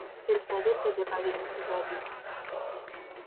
Сельсавет табе павінен усё зрабіць!